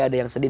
ada yang sedih